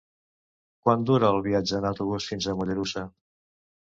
Quant dura el viatge en autobús fins a Mollerussa?